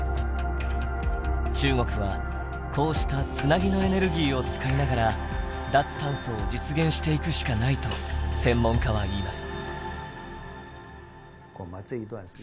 中国はこうした「つなぎのエネルギー」を使いながら脱炭素を実現していくしかないと専門家は言います。